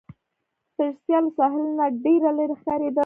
سټریسا له ساحل نه ډېره لیري ښکاریدل.